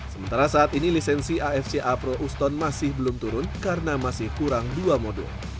sementara saat ini lisensi afca pro uston masih belum turun karena masih kurang dua modul